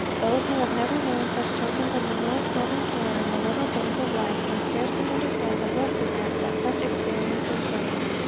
Those who have never known such tokens of the Lord's loving care in the little things of life can scarcely understand the blessedness that such experiences bring.